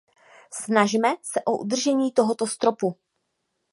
Snažme se o udržení tohoto stropu.